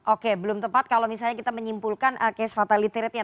oke belum tepat kalau misalnya kita menyimpulkan case fatality ratenya